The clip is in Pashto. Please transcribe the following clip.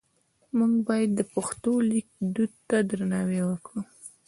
موږ باید د پښتو لیک دود ته درناوی وکړو.